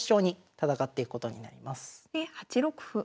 で８六歩。